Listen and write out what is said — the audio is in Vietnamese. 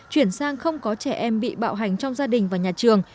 chuyển sang không có trẻ em bị bạo hành trong gia đình và nhà trường